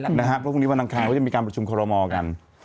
เพราะวันนี้วันทางคายเราก็จะมีการประชุมคอรมณ์กัน